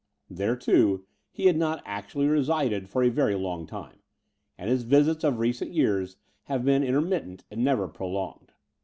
There, too, he has not actually resided for a very long time; and his visits of recent years have been inter mittent and never prolonged.